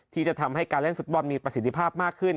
ที่จะทำให้การเล่นฟุตบอลมีประสิทธิภาพมากขึ้น